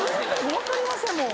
分かりませんもん。